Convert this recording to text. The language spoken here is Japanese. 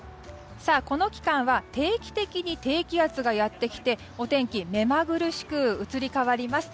この期間は定期的に低気圧がやってきてお天気は目まぐるしく移り変わります。